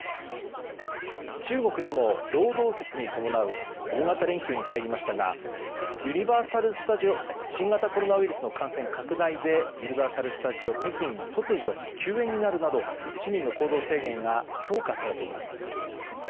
中国でも労働節に伴う大型連休に入りましたが新型コロナウイルスの感染拡大でユニバーサル・スタジオ・北京が突如、休園になるなど市民の行動制限が強化されています。